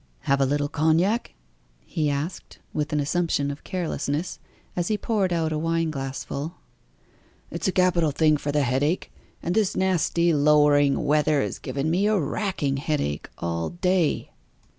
"Have a little cognac?" he asked, with an assumption of carelessness, as he poured out a wine glassful. "It's a capital thing for the headache; and this nasty lowering weather has given me a racking headache all day."